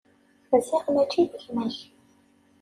Ziɣ mačči d gma-k.